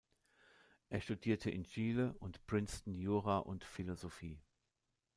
Er studierte in Chile und Princeton Jura und Philosophie.